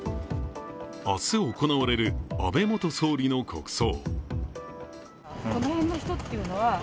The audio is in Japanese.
明日行われる安倍元総理の国葬。